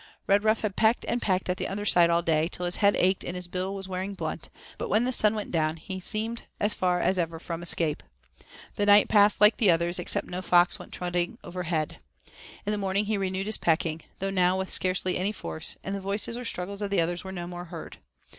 Redruff had pecked and pecked at the under side all day, till his head ached and his bill was wearing blunt, but when the sun went down he seemed as far as ever from escape. The night passed like the others, except no fox went trotting overhead. In the morning he renewed his pecking, though now with scarcely any force, and the voices or struggles of the others were no more heard.